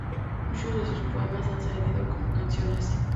Muchos de sus poemas han servido como canciones.